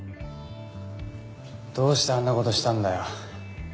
どうしてあんな事したんだよ。